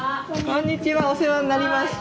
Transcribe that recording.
こんにちはお世話になりました。